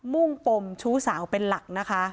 มุ่งปมชู้สาวเป็นหลักนะคะ